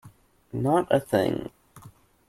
Not a thing.